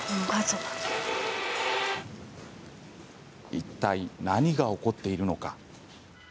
いったい何が起こっているのか。